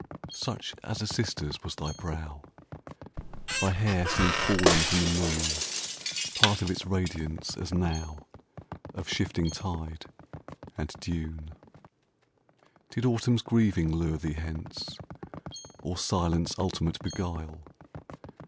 Such as a sister's was thy brow; Thy hair seemed fallen from the moon—Part of its radiance, as now, Of shifting tide and dune. Did Autumn's grieving lure thee hence. Or silence ultimate beguile?